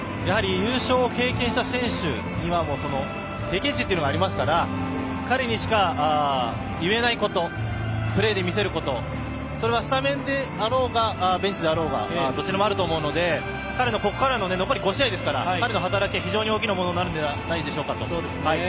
優勝を経験した選手には経験値というのがありますから彼にしか言えないことプレーで示すことスタメンであろうがベンチであろうがどちらでもあると思うので残り５試合ですから彼の働きは非常に大きなものになるのではないでしょうか。